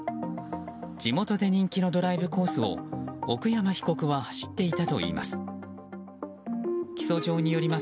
地元で人気のドライブコースを奥山被告は走っていたといいます。